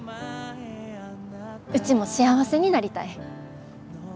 うちも幸せになりたい。